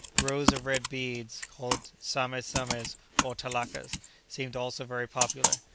Rows of red beads, called sames sames, or talakas, seemed also very popular.